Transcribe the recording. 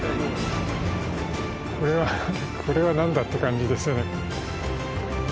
これはこれは何だって感じですよね。